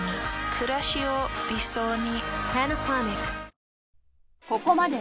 くらしを理想に。